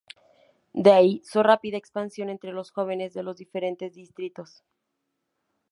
De ahí su rápida expansión entre los jóvenes de los diferentes distritos.